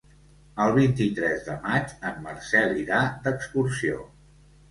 El vint-i-tres de maig en Marcel irà d'excursió.